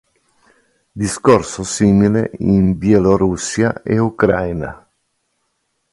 Discorso simile in Bielorussia e Ucraina.